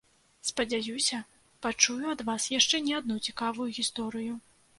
Спадзяюся, пачую ад вас яшчэ не адну цікавую гісторыю.